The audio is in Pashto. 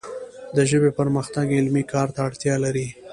د ژبې پرمختګ علمي کار ته اړتیا لري